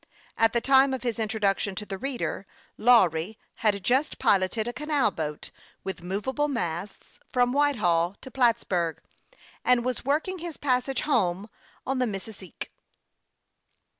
At the time of his introduc tion to the reader, Lawry had just piloted a canal boat, with movable masts, from Whitehall to Platts burg, and was working his passage home on the Mis sisque.